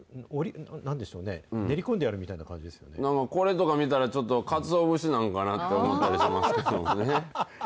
なんでしょうね、練り込んであるこれとか見たら、ちょっとかつお節なんかなと思ったりしますけどね。